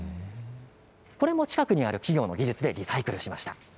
これも近くにある企業の技術でリサイクルしました。